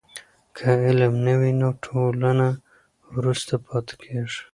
که علم نه وي نو ټولنه وروسته پاتې کېږي.